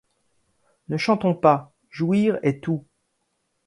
Ne chantons pas :— Jouir est tout.